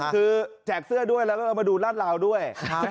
คือแจกเสื้อด้วยแล้วก็เรามาดูลาดราวด้วย